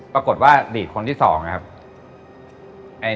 ปรากฏว่าอดีตคนที่๒นะครับ